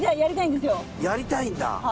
やりたいんだ。